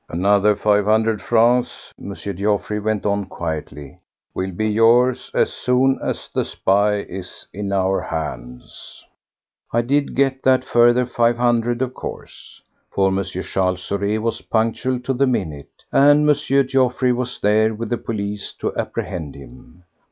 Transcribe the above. "Another five hundred francs," M. Geoffroy went on quietly, "will be yours as soon as the spy is in our hands." I did get that further five hundred of course, for M. Charles Saurez was punctual to the minute, and M. Geoffroy was there with the police to apprehend him.